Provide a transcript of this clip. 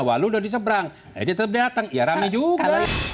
walu udah diseberang dia tetap datang ya rame juga